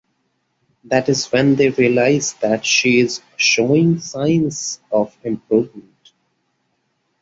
That is when they realize that she is showing signs of improvement.